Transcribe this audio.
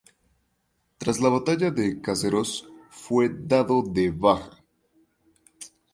Tras la batalla de Caseros fue dado de baja.